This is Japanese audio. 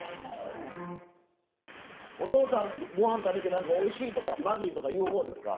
おとうさんごはん食べて何かおいしいとかまずいとか言う方ですか？